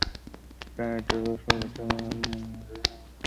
তাই হয়তো শুরুতে গাওয়া গানগুলি ঠিক তাঁর মনের মতো হয়ে ওঠেনি।